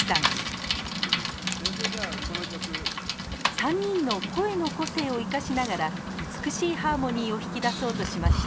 ３人の声の個性を生かしながら美しいハーモニーを引き出そうとしました。